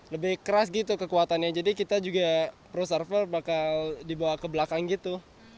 lebih keras gitu kekuatannya jadi kita juga pro server bakal dibawa ke belakang gitu